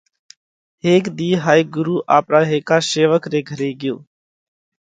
هيڪ ۮِي هائي ڳرُو آپرا هيڪا شيوَڪ ري گھري ڳيو۔